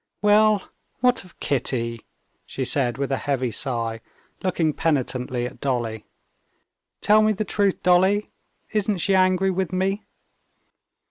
"Well, what of Kitty?" she said with a heavy sigh, looking penitently at Dolly. "Tell me the truth, Dolly: isn't she angry with me?"